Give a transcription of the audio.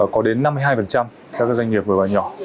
có đến năm mươi hai theo các doanh nghiệp vừa và nhỏ